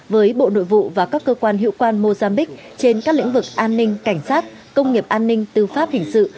với bộ nội vụ và các cơ quan hiệu quan mozambique trên các lĩnh vực an ninh cảnh sát công nghiệp an ninh tư pháp hình sự